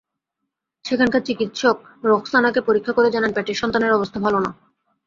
সেখানকার চিকিৎসক রোখসানাকে পরীক্ষা করে জানান, পেটের সন্তানের অবস্থা ভালো না।